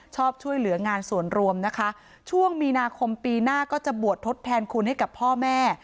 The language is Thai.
ชอบช่วยเหลืองานส่วนรวมนะคะช่วงมีนาคมปีหน้าก็จะบวชทดแทนคุณให้กับพ่อแม่